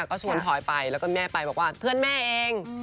ก็ชวนทอยไปแล้วก็แม่ไปบอกว่าเพื่อนแม่เอง